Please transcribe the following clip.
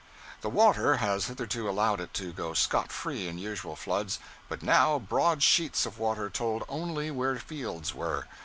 The water has hitherto allowed it to go scot free in usual floods, but now broad sheets of water told only where fields were.